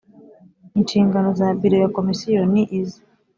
Inshingano za Biro ya Komisiyo ni izi